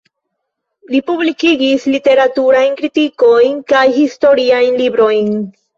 Li publikigis literaturajn kritikojn kaj historiajn librojn.